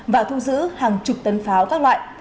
và thu giữ hàng chục tấn pháo các loại